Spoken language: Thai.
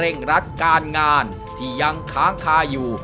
และเร่งรัดการงานที่ยังค้างคาอยู่